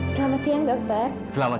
selamat siang dokter